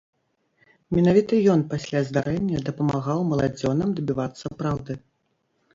Менавіта ён пасля здарэння дапамагаў маладзёнам дабівацца праўды.